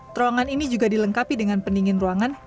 terowongan ini juga dilengkapi dengan pendingin ruangan